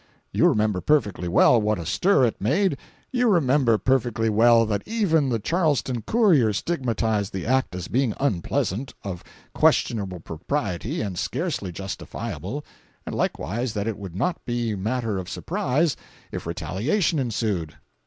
You remember perfectly well what a stir it made; you remember perfectly well that even the Charleston Courier stigmatized the act as being unpleasant, of questionable propriety, and scarcely justifiable, and likewise that it would not be matter of surprise if retaliation ensued.